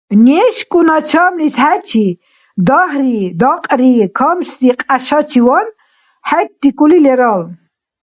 НешкӀун гьачамлис хӀечи дагьри-дакьри камси хъяшачиван хӀеррикӀули лерал.